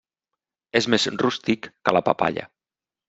És més rústic que la papaia.